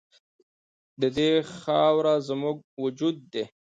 د دې خاوره زموږ وجود دی